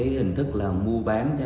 hình thức mua bán